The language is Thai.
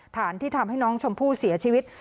ฐานที่ทำให้น้องชมพู่เสียชีวิต